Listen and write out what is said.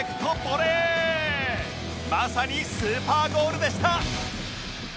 まさにスーパーゴールでした